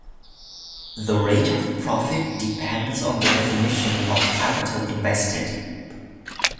The rate of profit depends on the definition of "capital invested".